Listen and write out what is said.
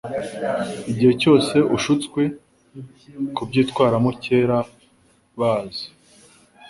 Igihe cyose ushutswe kubyitwaramo kera, baza,